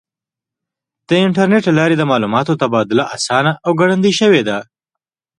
د انټرنیټ له لارې د معلوماتو تبادله آسانه او ګړندۍ شوې ده.